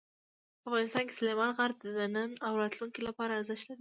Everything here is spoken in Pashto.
افغانستان کې سلیمان غر د نن او راتلونکي لپاره ارزښت لري.